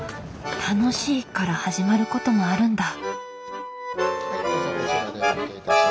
「楽しい」から始まることもあるんだ。